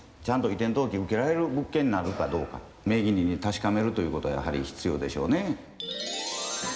ちゃんと移転登記受けられる物件なのかどうか名義人に確かめるということはやはり必要でしょうね。